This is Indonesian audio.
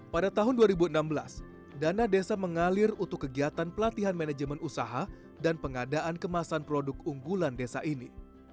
pada tahun dua ribu enam belas dana desa mengalir untuk kegiatan pelatihan manajemen usaha dan pengadaan kemasan produk unggulan desa ini